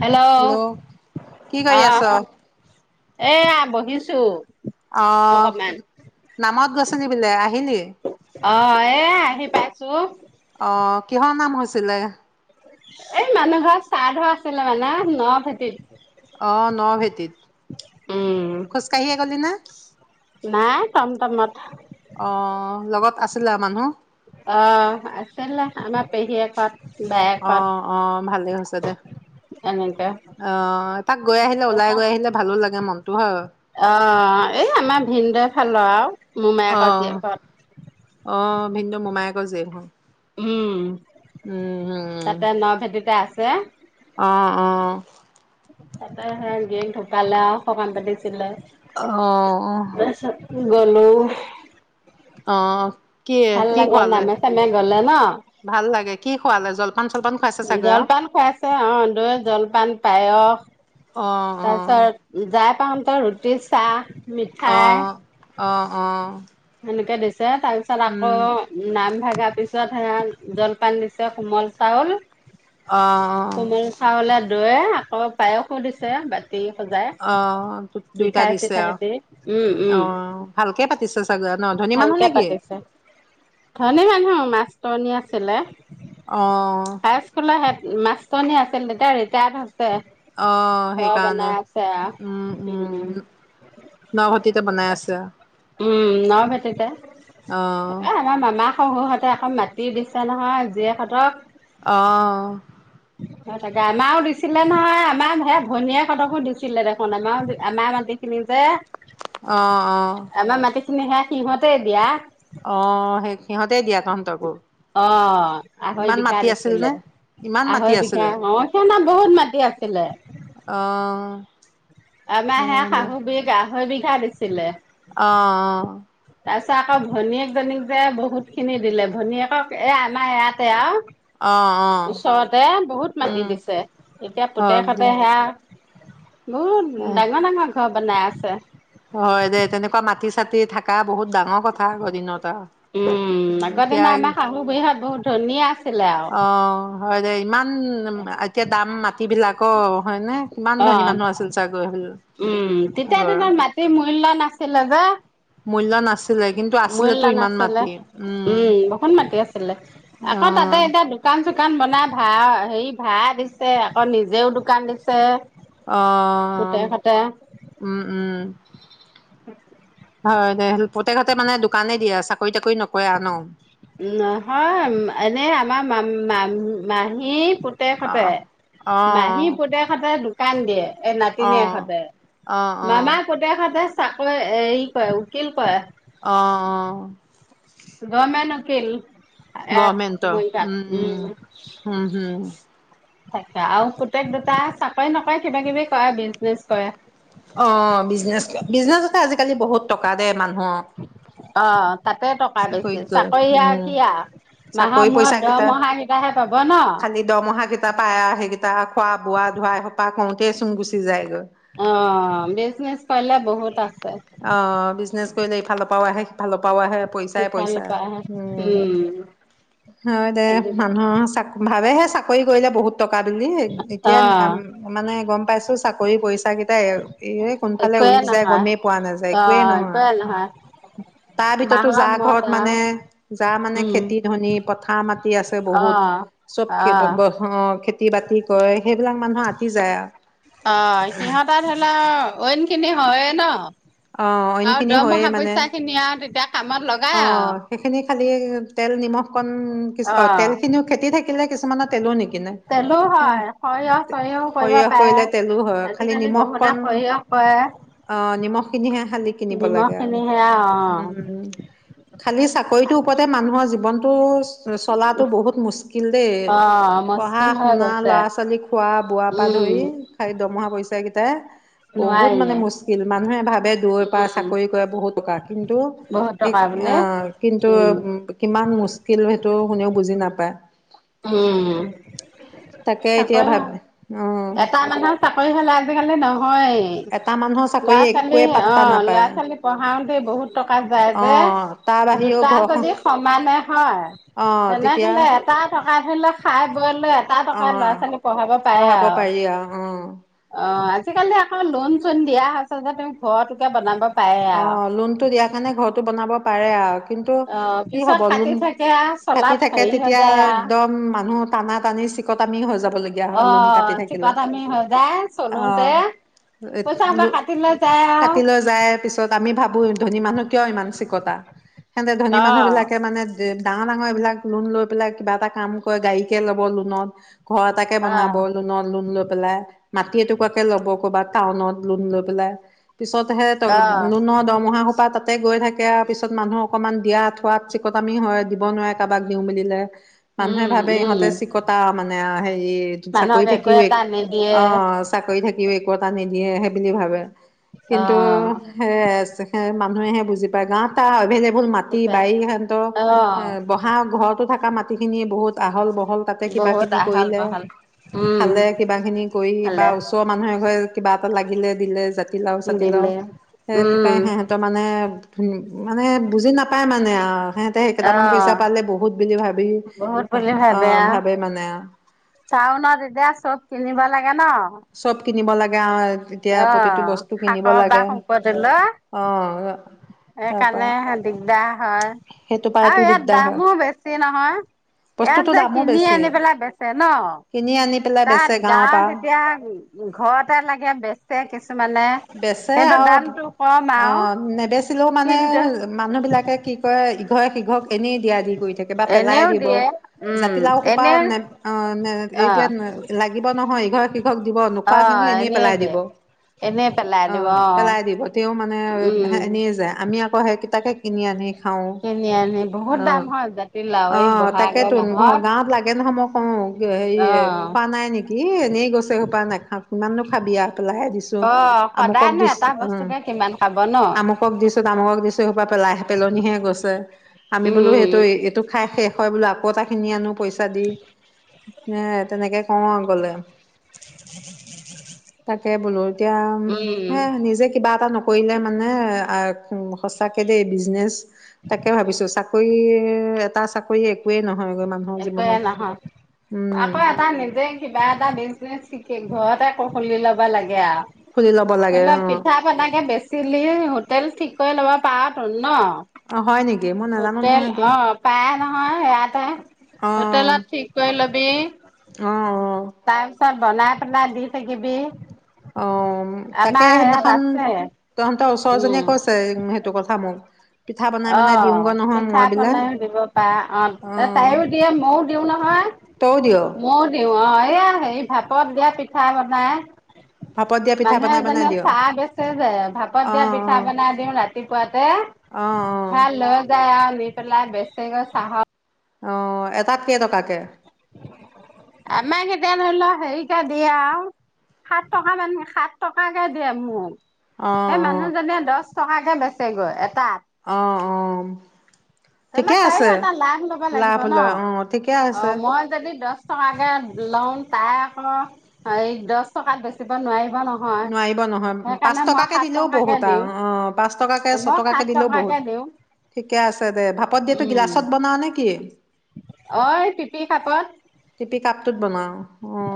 Hello, কি কৰি অহ, আছ? শুন এয়া বহিছো। অহ অকমান নামত গৈছেলি বোলে আহিলি? অ এ আহি পাইছো। অ কিহৰ নাম হৈছিলে? এ মানুহ ঘৰত চাহ ধোৱা আছিলে মানে ন ভেটিত। অ ন ভেটিত উম খোজকাঢ়িয়ে গলি না? নাই টমটমত অহ লগত আছিলে আ মানুহ? আহ আছিলা আমাৰ পেহীয়েকহত। অ অ ভালেই হৈছে দে। এনেকে অ তাক গৈ আহিলে ওলাই গৈ আহিলে ভালো লাগ গে মন। অ এই আমাৰ ভিনদেউৰ ফাল আও, অ মোমায়েকৰ অ জীয়েকহঁত। [unintelligible] হুও। উম তাতে ন ভেটিতে আছ ছে। অ অ। তাতে সেই গিৰিয়েক ঢুকালে আও সকাম পাতিছিলে। অ--অহ তাৰপিছত গ'লো অ কিহে, ভাল কি লাগে খোৱালে? নামে চামে গলে ন ভাল লাগে, কি খোৱালে জল জলপান খোৱাইছে অ দৈ, জলপান, পায়স অ তাৰ অ পিছত, যাই পাম ত ৰুটি, চাহ অ মিঠাই অ অ এনেকে দি ছে তাৰপিছত আকৌ উম, নাম ভগা পিছত জলপান দিছে, কোমল চাউল অ', কোমল চাউলত দৈয়ে আকৌ পায়সো দিছে বা অ' দুইটা দিছে চিঠাই অ। দি অ' ভালকে পাতিছে চাগৈ ন ধনী মানুহ ভালকৈ নেকি? পাতিছে। ধনী মানুহ মাস্টৰ- ধনী আছিলে। অ মাস্টৰনী আছিল। এতিয়া ৰিটায়াৰ হৈ অ সেইকাৰণে। উম উম ন ভেটিতে বনাই আছে। উম ন ভেটিতে। অ', এই আমাৰ মামা শহুৰহঁতৰ আকৌ মা টি দিছে নহয় জীয়েকহঁতক। অ অ' তাকে। আমাৰো দিছিলে নহয়, আমাৰ সেই ভনীয়েকহঁতকো দিছিলে দেখোন। আমাৰো আমাৰ মাটি খিনি যে অ' অ'। কিনি সেয়া সিহঁতে দিয়া। অ' সেই সিহঁতে দিয়া কাউণ্টাৰবোৰ। অ আঢ়ৈ ইমান বিঘা মাটি আছিল দিছিলে নে? ইমা আঢ়ৈ বিঘা অ [unintelligible] বহুত মাটি আছিলে। অ', আমাৰ সেয়া অ', দে শাহু বি আঢ়ৈ বিঘা। ঠা দিছিলে। অ, অ। তাৰ পা ভনীয়েকজনীক যে বহুতখিনি দিলে। ভনীয়েকক এ, আমাৰ ইয়াতে আৰু। অ, অ। ওচৰতে বহুত মাটি উম, দিছে। এতিয়া হওক পুতেক দে হ'তে সেয়া। বহুত এহ। ডাঙৰ ডাঙৰ ঘৰ। বনাইছে। হয় দে তেনেকুৱা মাটি চাটি থাকা বহুত ডাঙৰ। কথা আগৰ দিনত আৰু উম, আগতে ন, এতিয়া আমাৰ শাহু বুঢ়ীহত বহুত ধনী আছিলে আৰু। অ হয় দেই। ইমান উম, একে দাম মাত তিবিলাক অ, হয়নে? কিমান অ, ধনী মানুহ আছিল [unintelligible] চাগৈ উম, তেতিয়া আগৰ দিনৰ মাটি মুট [unintelligible] নাছিলে যে। মূল্য নাছিলেই। মূল্য নাছিলে। উম, বহুত মাতি আছিলে। অ আকৌ তাতে এতিয়া দোকান চোক দোকান বনাই ভা, হেৰি ভাড়া দিছে। আকৌ নিজেও দোকান দিছে। অ, পুতেকহঁতে উম, উম। হয় দে [unintelligible] পুতেকহতে মানে দোকানেই দিয়ে আও, চাকৰি তাকৰি নকৰে আও ন? নহয় উম, এনে আমাৰ মাম-মাম-মাহী। অ পুতেকহতে। অ অ মাহী পুতেকহতে দু কানদিয়ে। এই অ নাতিনীয়েকহঁতে, অ মামা পুতেকহঁতে। চাকই এই কয়। উকীল কয়। অ অ অ গমেন উকিল। ইয়াত গমেন্তৰ মৰিগাঁৱত উম, উম, হম, হম। থাকা। আৰু পুতেক দুটা চাকৰি নকৰে কিবা কিবি কৰে। বিজনেজ কৰে। অ, বিজনেছ। বিজনেছতে আজিকালি বহুত টকা দে। মানুহৰ অ, তাতে টকা বেছি। চাকৰিতকৈ চাকৰি আ উম কি আ? মাহৰ চাকৰি মূৰত পইচা কেইটা দহমহা কেইটাহে পাব ন। তাৰ খোৱা, বোৱা, ধুৱা এসোপা কওঁতে চুন গুচি যায়গৈ। অ। অ বিজনেছ কৈলে বহুত আ। অ বিজনেছ। কৈলে ইফালৰ পৰাও আহে সিফালৰ পৰাও আহে। পইচাই পইচা, সিফালৰ পৰা উম আৰু দে মানুহৰ চ ভাবেহে। চাকৰি কৰিলে বহুত। টকা বুলি অ এতিয়া মানে গম পাইছো। চাকৰি কৰিছে। কেইটা এ এ কোনফালে একোৱে উৰি যায় নহয় গমেই পোৱা নাযায় অ একোৱেই নহয়। একোৱে তাৰ ভিততো মাহৰ যা মূৰত ঘৰত আও মানে যা মানে উম খেতি ধনি পথাৰ মা! আছে অ বহুত চব অ খেতি বাতি কৰে সেইবিলাক মানুহ আতি যায় আও [inaudible] অঁইনখিনি হয়ে ন। আও অইনখিনি হয়ে দৰমহা মানে পইচা খিনি আও তেতিয়া। কামত লগাই অ আও সেইখিনি খালি তেল নিমখ। কন অ [unintelligible] তেল খিনিও খেতি থাকিলে কিছুমানত। তেলো নি কিনে, তেলো হয় সৰিয়হ চৰিয়হও কৰিব সৰিয়হ পাৰে কৰিলে তেলো হয়, খালি আজিকালি নিমখ বহুতে কন সৰিয়হ কৰে অ নিমখ কিনিহে খালি কিনিব নিমখ লাগে আৰু খিনি সেয়া অ উম। খালি চাকৰিটোৰ ওপৰতে মানুহৰ জীৱনটো চলাতো বহুত মুস্কিল দেই অ পঢ়া মুস্কিল হৈ শুনা গৈছে ল'ৰা ছোৱালী খোৱা বোৱা পা উম ধৰি খালি দৰমহা পইচাকেইটাই বহুত মানে নোৱাৰিয়ে মুস্কিল মানুহে ভাবে দূৰৈ পৰা উম চাকৰি কৰে বহুত টকা কিন্তু বহুত সেই টকা অ বোলে কিন্তু উম কিমান মুস্কিল সেইটো শুনেও বুজি নাপায় উম তাকে এতিয়া ভাব আও অ এটা মানুহৰ চাকৰি হলে আজিকালি নহয় এটা মানুহৰ ল'ৰা চাকৰি ছোৱালী একোৱে অ পাত্তা ল'ৰা নাপায়। ছোৱালী পঢ়াওতে বহুত টকা যায় অ যে তাৰ বাহিৰেও দুটা ঘৰখন যদি সমানে হয় অ তেতিয়া তেনেহলে এটা থ টকাই ধৰি ল খাই বই এটা অ টকা ল'ৰা ছোৱালী পঢ়াব পাৰে আও পাৰি আও অ আজিকালি আকৌ লোন চোন দিয়া হৈছে যে তুমি ঘৰতোকে বনাব পাৰে অ, আৰু। লোন টো দিয়াৰ কাৰণে ঘৰটো বনাব পাৰে আও কিন্তু অ' কি হব, পিছত লোণ কাটি থাকে আৰু কাটি চলাত থাকে হেৰি হৈ তেতিয়া যায় আৰু। একদম মানুহ টানা টানি চিকটামি হৈ যাব অ, চিকতামি হৈ যায়, চলোতে পইচা হুপা অ কাটি লৈ যায় আও কাটি লৈ যায় পিছত আমি ভাবো, ধনী মানুহ কিয় ইমান চিকতা সেতে ধনী মানুহ, বিলাকে অ' মানে ডা ডাঙৰ এইবিলাক লোন লৈ পেলাই, কিবা এটা কাম কৰে গাড়ীকে ল'ব লোনত ঘৰ এটাকে বনাব, লোণত লোন লৈ পেলাই। মাটি এটুকুৰাকে ল'ব, ক'বাত টাউনত লোন লৈ পেলাই। পিছত হে ত অ' অ'। লোণৰ দৰমহা সোপাহ তাত তাতে গৈ থাকে, আৰু পিছত মানুহ অকণমান দিয়া থোৱাত চিকতামি হয়, দিব নোৱাৰে কাবাক দিওঁ বুলিলে। মানুহে উম, ভাবে, উম, ইহঁতে চিকতা মানে নে আও সেই চাকৰি মানুহক একো থাকিও, এক, এটা নিদিয়ে অ, চাকৰি থাকি ও একো এটা নিদিয়ে হে বুলি ভাবে কিন্তু অ', মানুহেহে বুজি পায় গাৱত তা আভেল এবো ল মাটি সেইটোপাই বাৰী হেন্তৰ অ', বহা ঘৰতো থকা মাটি খিনি বহুত আহল বহল। হল তাতে, কিবা বহুত কিবি আহল কৰিলে, বহল উম, খালে কিবা খিনি কৰি, বা ভালে ওচৰৰ মানুহে এঘৰে কিবা এটা লাগিলে দিলে, যা জাতিলাও, চাতিলাও দিলে উম, সেইটোপাই হে সেত মানে [unintelligible] মানে বুজি নাপায়, মানে অ সিহঁতে সেই কেটামান পইছা অ', পালে বহুত বুলি ভাবি বহুত অ বুলি ভাবে অ মানে আৰু চাও ন তেতিয়া চব কিনিব লাগে। ন চব কিনিব লাগে, আৰু এতিয়া অ, প্ৰতিটো বস্তু কিনিব শাকৰ পা লাগে শুকতি লৈ, অ তাৰপা সেইকাৰণে দিগদাৰ হয়, সেইটো আৰু পাইতো ইয়াত দিগদাৰ হয় দামো বেছি নহয়, ইয়াত বস্তুটোৰ যে দামো কিনি বেছি আনি পেলাই বেচে ন। কিনি আনি পেলাই তাত বেচে গাঁৱৰ পৰা গাঁৱত এতিয়া উ, ঘৰতে লাগে বেছি বেচে আৰু দামটো কম অ আও নেবেচিলেও মানে কিন্তু মানুহ বিলাকে কি কৰে ইঘৰে সিঘৰক এনেই দিয়া দি কৰি থাকে। বা পেলাই এনেও দিব দিয়ে উম জাতিলাও খোপা এনে নে অ অ এতিয়া লাগিব নহয়। ইঘৰ দিব নোখোৱা অ খিনি এনেই পেলাই দিব দিয়ে এনেই পেলাই অ দিব পেলাই দিব তেওঁ মানে [unintelligible] ন উম এনেই যায় আমি আক হে- হে কিটাকে কিনি আনি খাওঁ কিনি আনি বহুত দাম অ হয় জাতিলাও এই অ', বহাগৰ মাহত অ কি হেৰি অ খোৱা নাই নেকি? এনেই গছ সোপা নাখা কিমাননো খাবি আ পেলাহে দিছো অ আমুকক সদায়নো দিছ এটা উম বস্তুকে কিমান খাব ন আমুকক দিছো তামুকক দিছো এ সোপা পেলাই পেলনিহে গৈছে উম আমি বোলো সেইটো উম এইটো খাই শেষ হয় বোলো আকৌ তাক কিনি আনো পইচা দি। নে তেনেকে কওঁ আও গলে। তাকে বোলো এতিয়া হে উম নিজে কিবা এটা নক কৰিলে মানে সঁচাকৈ দেই বিজনেছ তাকে ভাবিছোঁ চাকৰি এটা চাকৰি একোৱেই নহয়গৈ মানুহৰ একয়ে জীৱনত। নহয় আকৌ উম। এটা নিজে কিবা এটা বিচ্চনেছ কি কৰিম ঘৰতে ক খুলি ল'বা লাগে খুলি ল'ব লাগে আৰু এ অ', পিঠা পনাকে বেচিলিয়ে হোটেল ঠিক কৰি ল'ব পাৰা তুন ন? অ', হয় নেকি মই নাজানো হোটেল নহয় সেইটো অ পায় নহয় ইয়াত অ', হোটেলত ঠিক কৰি লবি অ', চ [unintelligible] বনাই পেলাই দি থাকিবি অ তাকে আমাৰ ইয়াত সেইদিনাখন আছে তহতৰ ওচৰ উম। জনীয়ে কৈছে উ সেইটো কথা মোক। পিঠা বনাই অ বনাই দিওঁগৈ নহয় পিঠা মই বোলে পনাইও দিব পাৰা অ তাইও দিয়ে ময়ও দিওঁ নহয় তইও দিয় ময়ও দিওঁ অ এয়া হেৰি ভাপত দিয়া পিঠা বনাই ভাপত দিয়া পিঠা মানুহে বনাই বনাই যেনে দিয় চাহ বেচে যে ভাপত অ', দিয়া পিঠা অ', বনাই দিওঁ ৰাতিপুৱাতে! অ', হয়া লৈ জা। লই পেলাই বেচেগৈ চাহ অ এটা আমৰ কেতিয়া ধৰিল হেৰিকে দিয়ে আৰু সাত টকা মান সাত টকাকে দিয়ে মোক। অ', এ অ', মানুহ জনে দহ [unintelligible] [unintelligible] বেচে গৈ। অ অ', তে ঠিকে তাইও আছে এটা লাভ লব লাগিব লাভ ন লয় অ', ঠিকে অ আছে মই যদি দহ দ টকাকৈ লওঁ তাই আকৌ এই দহ টকাত বেচিব নোৱাৰি নোৱাৰিব নহয় পাঁচ টকাকে সাত দিলেও টকাকে বহুত দিওঁ আৰু অ পাঁচ টকাকে মই সাত ছটকাকে দিলেও টকাকে বহুত দিওঁ ঠিকে আছে দে ভ পাপদিয়হটো গিলাচত বনাওঁ নে কি অ পিপি খাপত টিপি কাপটোত বনাওঁ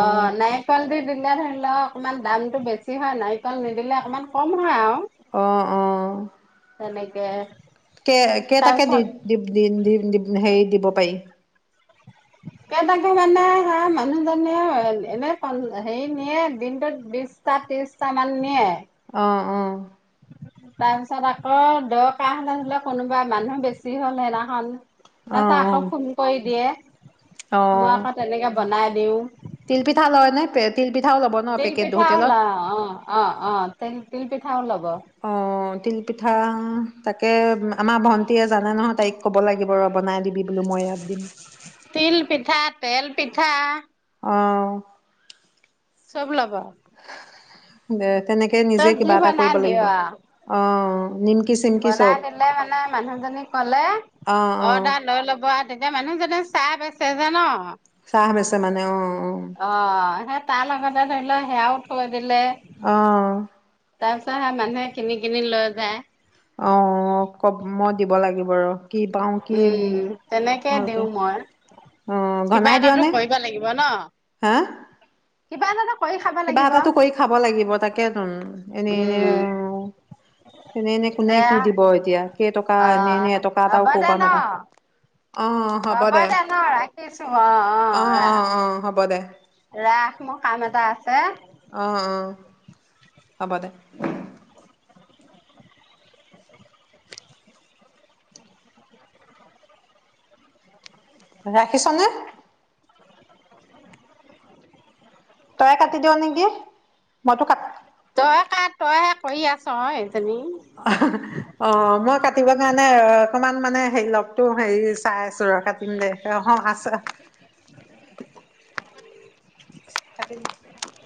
অ নাইফল দি দিলীয়া ধৰি ল অকমান দামটো বেছি হয় নাৰিকল নিদিলে অকণমান কম হয় আৰু অ অ তেনেকে কে কেইটাকে দি তাৰপিছত দি দি দি হেৰি দিব প েই তাকো মানে হা মানুহজনীয়েও এনে হেৰি নিয়ে দিনটোত বিশটা ত্ৰিশটা মান নিয়ে আহ অ তাৰ পিছত আকৌ দৰ কাহ হলে হলে কোনোবা মানুহ বেছি হ'ল সেইদিনাখন অ অ তাৰছা আকৌ ফোন কৰি দিয়ে অ মই আকৌ তেনেকে বনাই দিওঁ তিলপিঠা লয় নাই পেট তেল পেঠা আহল অ অ অ তেল পিঠাওঁলক অ তিল পিঠা তাকে আমাৰ ভন জানে নহয় তাইক ক'ব লাগিব ৰ বনাই দিবি বোলো মই ইয়াত দিম তিল পিঠাত তেল পিঠা। অ'। চব ল'ব। দে তেনেকে নিজে তই যি কিবা এটা বনাই কৰিব লাগিব। দিওঁ অ', অ' নিমকি চিমকি বনাই চব দিলে মানে মানুহজনী ক'লে অ' অ' অৰ্ডাৰ লৈ ল'ব আৰু তেতিয়া মানুহজনে চাপ আছে জান'। চাহ বেচে মানে অ'। এ ধৰি লোৱা সেয়া উঠ দিলে অ'। তাৰপিছত মানুহে কিনি কিনি লৈ যায়। অ', কব মই দিব লাগিব আৰু। কি পাওঁ, কি উম তেনেকে ভালকে দিওঁ মই অহ, কিবা ঘনাই দিয়' এটাতো নে? কৰিব লাগিব ন হা। কিবা এটাতো কৰি খাব কিবা লাগিব এটাটো কৰি খাব লাগিব তাকে এনে, এনে এনে, উম এনে কোনে দে কি দিব এতিয়া, কেই টক কা অ এনেই এনে এটকা হ'ব এটাও কৰোঁ দে পৰা ন নাপাওঁ। হ'ব দে ন' ৰাখিছোঁ অ', অ', অ' হ'ব দে ৰা ৰাখ, মোৰ কাম এটা আছে। অ', অ', হ'ব দে। ৰাখিছ' নে? তয়ে কাটি দিয়' নেকি? মইতো কাট তই কাৰ তইহে কৰি আছোঁ অ', এইজনী। অ', মই কাটিবৰ কাৰণে অকমান মানে হেৰি লওঁক টো হেৰি চাই আছোঁ ৰ' কাটিম দে অ', আছ কাটি দিলে।